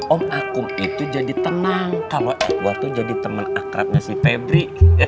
om akum itu jadi tenang kalau edward itu jadi temen akrabnya si febri